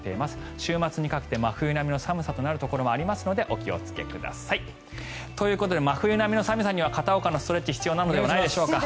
週末にかけて真冬並みの寒さとなるところもありますのでお気をつけください。ということで真冬並みの寒さには片岡のストレッチが必要ではないでしょうか。